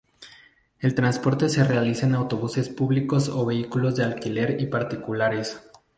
El transporte se realiza en autobuses públicos o vehículos de alquiler y particulares.